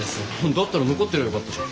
だったら残ってやりゃあよかったじゃん。